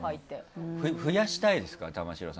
増やしたいですか？